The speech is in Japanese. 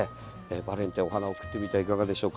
バレンタインお花を贈ってみてはいかがでしょうか？